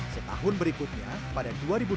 setahun berikutnya pada dua ribu dua puluh